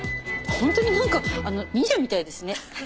本当になんか忍者みたいですね。